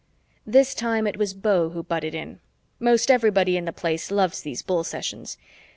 This time it was Beau who butted in. Most everybody in the Place loves these bull sessions.